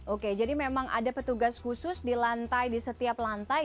oke jadi memang ada petugas khusus di lantai di setiap lantai